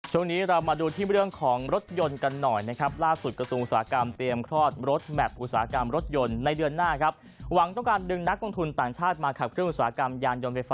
ช่วงนี้เรามาดูที่เรื่องของรถยนต์กันหน่อย